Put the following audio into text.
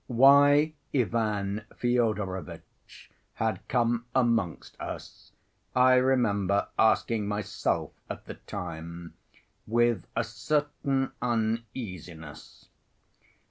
Why Ivan Fyodorovitch had come amongst us I remember asking myself at the time with a certain uneasiness.